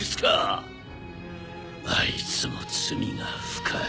あいつも罪が深い。